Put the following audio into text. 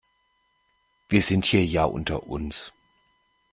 Wir sind hier ja unter uns.